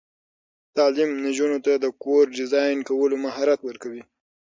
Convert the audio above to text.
تعلیم نجونو ته د کور ډیزاین کولو مهارت ورکوي.